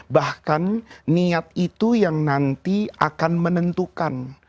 bahkan niat itu yang nanti akan menentukan